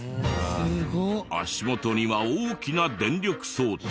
足元には大きな電力装置。